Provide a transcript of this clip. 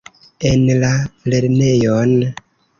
En la lernejon?